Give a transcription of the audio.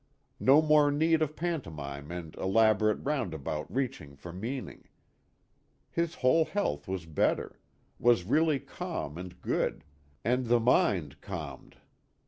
No more need of pantomime and elaborate roundabout reach ings for meaning. His whole health was better was really calm and good and the mind calmed.